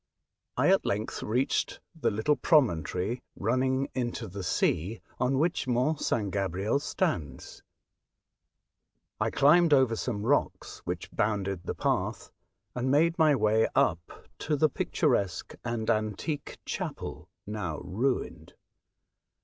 I at length reached the little promontory running into the sea, on which Mont St. Gabriel stands. I climbed over some rocks which bounded the path and made my way up to the picturesque and antique chapel, now ruined.